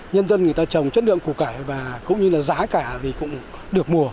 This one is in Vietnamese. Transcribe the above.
nhân dân người ta trồng chất lượng củ cải và cũng như là giá cả thì cũng được mùa